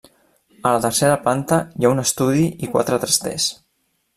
A la tercera planta hi ha un estudi i quatre trasters.